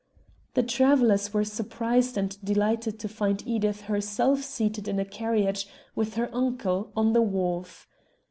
The travellers were surprised and delighted to find Edith herself seated in a carriage with her uncle on the wharf.